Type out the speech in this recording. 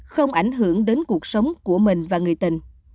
không ảnh hưởng đến cuộc sống của mình và người tình